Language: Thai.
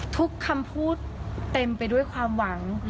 ทุกคำพูดเต็มไปด้วยความหวัง